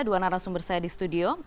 dua narasumber saya di studio